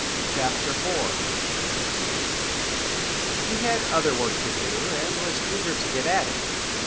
CHAPTER IV He had other work to do, and was eager to get at it.